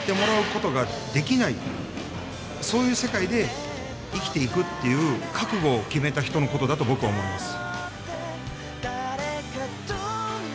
そういう世界で生きていくという覚悟を決めた人の事だと僕は思います。